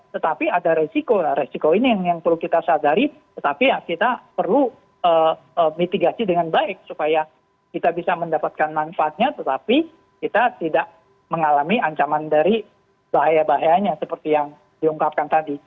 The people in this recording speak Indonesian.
tetapi ada resiko resiko ini yang perlu kita sadari tetapi ya kita perlu mitigasi dengan baik supaya kita bisa mendapatkan manfaatnya tetapi kita tidak mengalami ancaman dari bahaya bahayanya seperti yang diungkapkan tadi